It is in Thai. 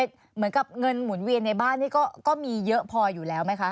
เหมือนกับเงินหมุนเวียนในบ้านนี่ก็มีเยอะพออยู่แล้วไหมคะ